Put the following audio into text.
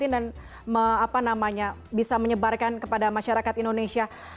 dan bisa menyebarkan kepada masyarakat indonesia